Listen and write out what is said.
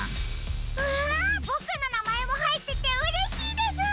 うわボクのなまえもはいっててうれしいです！